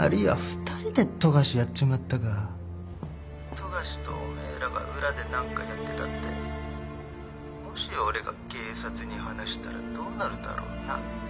富樫とお前らが裏で何かやってたってもし俺が警察に話したらどうなるだろうな？